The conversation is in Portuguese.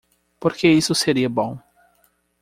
Por que isso seria bom?